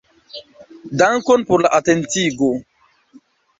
Dankon por la atentigo.